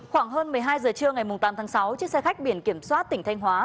khoảng hơn một mươi hai giờ trưa ngày tám tháng sáu chiếc xe khách biển kiểm soát tỉnh thanh hóa